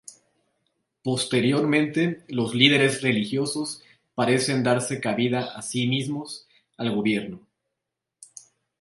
Posteriormente, los líderes religiosos parecen darse cabida a sí mismos al gobierno.